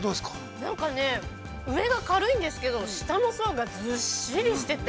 ◆なんかね、上が軽いんですけど、下の層がずっしりしてて。